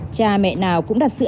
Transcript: cha mẹ nào cũng đặt sự ảnh hưởng